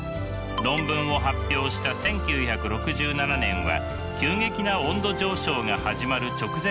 論文を発表した１９６７年は急激な温度上昇が始まる直前に当たります。